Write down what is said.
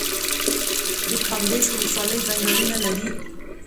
د کامدیش ولسوالۍ ځنګلونه لري